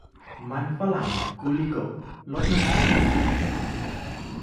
มันฝรั่งกูลิโกะ รสน้ำพริกหนุ่ม !